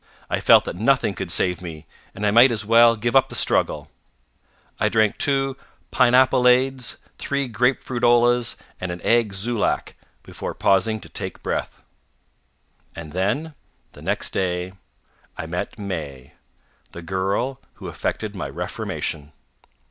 I felt that nothing could save me, and I might as well give up the struggle. I drank two pin ap o lades, three grapefruit olas and an egg zoolak, before pausing to take breath. And then, the next day, I met May, the girl who effected my reformation.